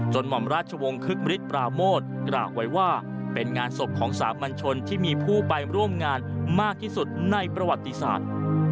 หม่อมราชวงศ์คึกมฤทธปราโมทกล่าวไว้ว่าเป็นงานศพของสามัญชนที่มีผู้ไปร่วมงานมากที่สุดในประวัติศาสตร์